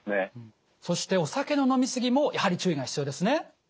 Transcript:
そしてお酒の飲み過ぎもやはり注意が必要ですね？